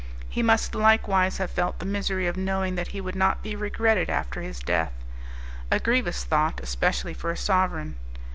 He must likewise have felt the misery of knowing that he would not be regretted after his death a grievous thought, especially for a sovereign.